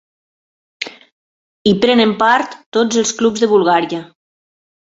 Hi prenen part tots els clubs de Bulgària.